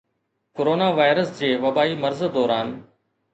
corona virus جي وبائي مرض دوران